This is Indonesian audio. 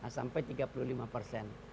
sampai tiga puluh lima persen